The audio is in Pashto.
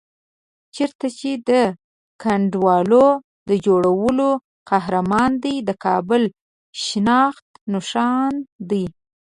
چېرته چې د کنډوالو د جوړولو قهرمان دی، د کابل شناخت نښان دی.